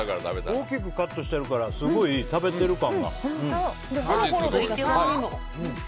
大きくカットしてあるから食べてる感。